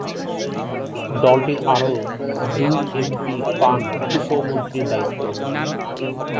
দলটির আরো দুই এমপি পান উপ-মন্ত্রীর দায়িত্ব।